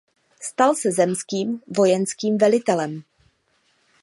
Stal se zemským vojenským velitelem.